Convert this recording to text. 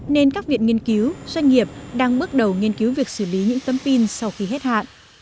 nên các viện nghiên cứu doanh nghiệp đang bước đầu nghiên cứu việc xử lý những tấm pin sau khi hết hạn